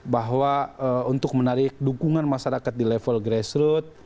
bahwa untuk menarik dukungan masyarakat di level grassroot